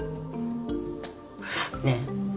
ねえ。